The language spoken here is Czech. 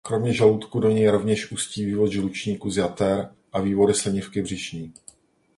Kromě žaludku do něj rovněž ústí vývod žlučníku z jater a vývody slinivky břišní.